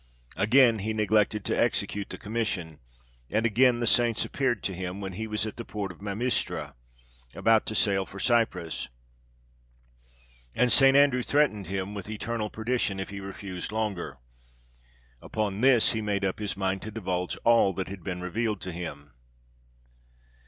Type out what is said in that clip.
Again he neglected to execute the commission, and again the saints appeared to him, when he was at the port of Mamistra, about to sail for Cyprus, and St. Andrew threatened him with eternal perdition if he refused longer. Upon this he made up his mind to divulge all that had been revealed to him.